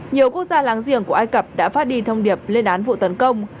nhiều quốc gia láng giềng của ai cập đã phát đi thông điệp lên án vụ tấn công